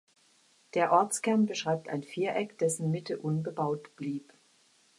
Der Ortskern beschreibt ein Viereck, dessen Mitte unbebaut blieb.